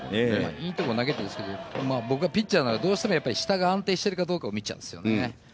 いいところに投げてるんですけどピッチャーだと僕どうしても下が安定しているかどうかを見ちゃうんですね。